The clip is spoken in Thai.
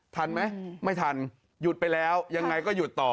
ทันไหมไม่ทันหยุดไปแล้วยังไงก็หยุดต่อ